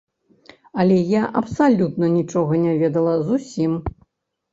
Але я абсалютна нічога не ведала, зусім.